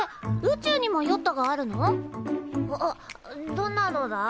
どんなのだ？